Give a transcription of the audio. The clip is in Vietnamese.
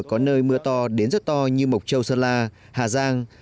có nơi mưa to đến rất to như mộc châu sơn la hà giang